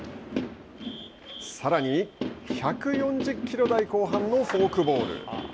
さらに１４０キロ台後半のフォークボール。